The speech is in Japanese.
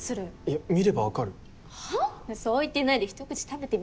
そう言ってないで一口食べてみなよ。